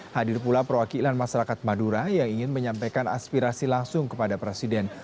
hadir pula perwakilan masyarakat madura yang ingin menyampaikan aspirasi langsung kepada presiden